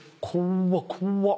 怖っ！